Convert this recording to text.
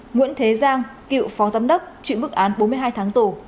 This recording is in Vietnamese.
nguyễn thế giang cựu phó giám đốc chịu mức án bốn mươi hai tháng tù